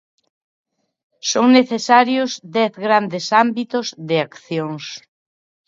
Son necesarios dez grandes ámbitos de accións.